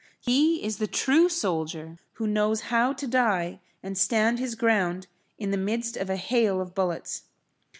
He is the true soldier who knows how to die and stand his ground in the midst of a hail of bullets.